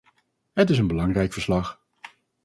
Het is een belangrijk verslag.